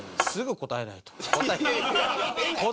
答え